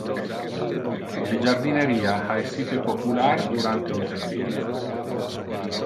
Le jardineria ha essite popular durante un tempore.